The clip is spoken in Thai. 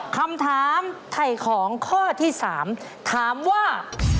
คำถามไถ่ของข้อที่๓ถามว่า